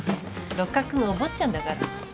六角君お坊ちゃんだから。